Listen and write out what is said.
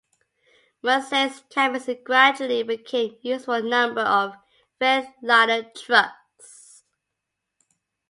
Mercedes cabins gradually became used for a number of Freightliner trucks.